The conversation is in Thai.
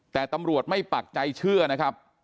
แต่ตำรวจไม่ปักใจเชื่อนะครับ